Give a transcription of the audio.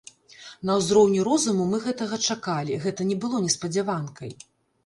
На ўзроўні розуму мы гэтага чакалі, гэта не было неспадзяванкай.